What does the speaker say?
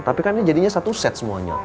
tapi kan ini jadinya satu set semuanya